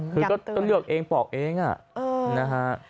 คือก็ต้องเลือกเองปลอกเองนะครับ